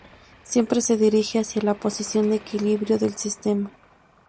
Siempre se dirige hacia la posición de equilibrio del sistema.